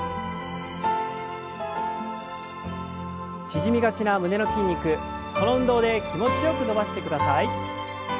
縮みがちな胸の筋肉この運動で気持ちよく伸ばしてください。